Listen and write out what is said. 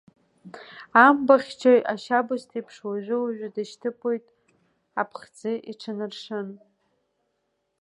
Амбахьчаҩ, ашьабысҭеиԥш, уажәы-уажә дышьҭыԥоит аԥхӡы иҽанаршын.